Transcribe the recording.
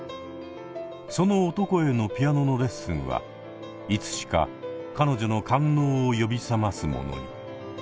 その男へのピアノのレッスンはいつしか彼女の官能を呼び覚ますものに。